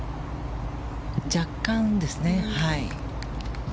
若干ですね。